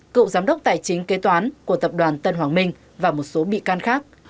cựu giám đốc tài chính kế toán của tập đoàn tân hoàng minh và một số bị can khác